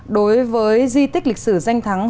đối với di tích lịch sử danh của hà nội